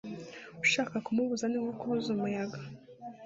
ushaka kumubuza ni nko kubuza umuyaga